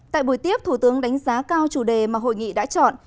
tại buổi tiếp thủ tướng đánh giá cao chủ đề mà hội nghị đã chọn